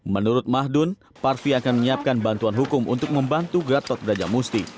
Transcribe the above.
menurut mahdun parvi akan menyiapkan bantuan hukum untuk membantu gatot brajamusti